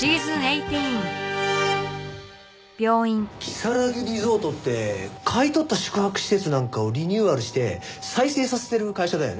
如月リゾートって買い取った宿泊施設なんかをリニューアルして再生させてる会社だよね？